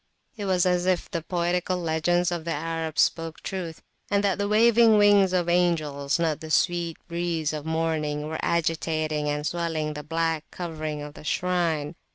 It was as if the poetical legends of the Arab spoke truth, and that the waving wings of angels, not the sweet breeze of morning, were agitating and swelling the black covering of the shrine.